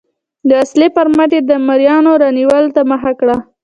د وسلې پر مټ یې د مریانو رانیولو ته مخه کړه.